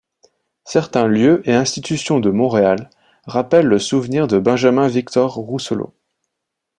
Certains lieux et institutions de Montréal rappellent le souvenir de Benjamin-Victor Rousselot.